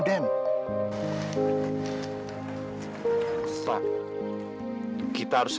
pak kita harus segera berusaha